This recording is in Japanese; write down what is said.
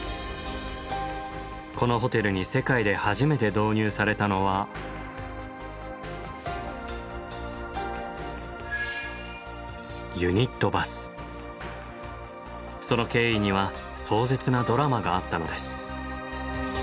このホテルに世界で初めて導入されたのはその経緯には壮絶なドラマがあったのです。